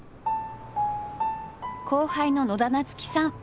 後輩の野田菜月さん